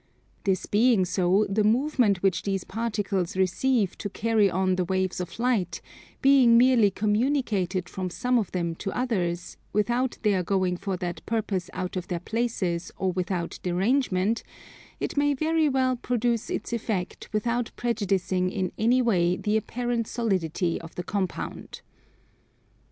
This being so, the movement which these particles receive to carry on the waves of light, being merely communicated from some of them to others, without their going for that purpose out of their places or without derangement, it may very well produce its effect without prejudicing in any way the apparent solidity of the compound.